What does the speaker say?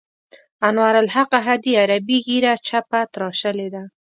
انوارالحق احدي عربي ږیره چپه تراشلې ده.